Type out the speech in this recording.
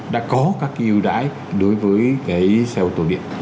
đã có các cái ưu đãi đối với cái xe ô tô điện